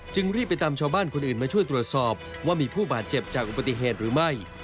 รีบไปตามชาวบ้านคนอื่นมาช่วยตรวจสอบว่ามีผู้บาดเจ็บจากอุบัติเหตุหรือไม่